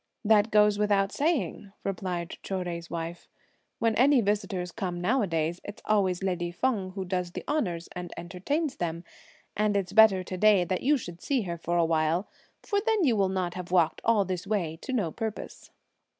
"That goes without saying," replied Chou Jui's wife; "when any visitors come now a days, it's always lady Feng who does the honours and entertains them, and it's better to day that you should see her for a while, for then you will not have walked all this way to no purpose."